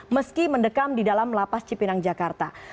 meski mendekam di dalam lapas cipinang jakarta